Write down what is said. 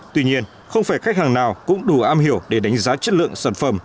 tuy nhiên không phải khách hàng nào cũng đủ am hiểu để đánh giá chất lượng sản phẩm